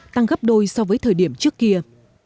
tăng gấp đôi so với thời điểm trước kia